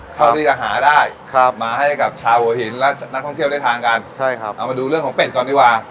เท่าที่จะหาได้มาให้กับชาวหัวหินและนักท่องเที่ยวได้ทานกันใช่ครับเอามาดูเรื่องของเป็ดก่อนดีกว่า